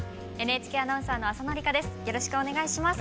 ＮＨＫアナウンサーの浅野里香です。